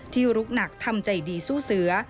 ลุกหนักทำใจดีสู้เสือ